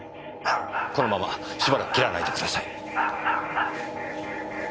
このまましばらく切らないでください。